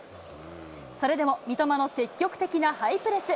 それでも三笘の積極的なハイプレス。